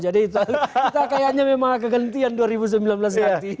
jadi kita kayaknya memang kegantian dua ribu sembilan belas nanti